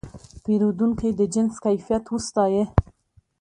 پیرودونکی د جنس کیفیت وستایه.